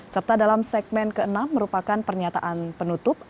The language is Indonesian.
serta dalam segmen ke enam merupakan pernyataan penutup